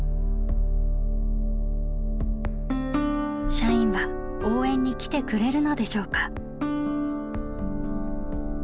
社員は応援に来てくれるのでしょうか。